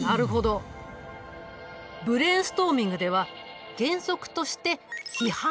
ブレーンストーミングでは原則として批判はしない。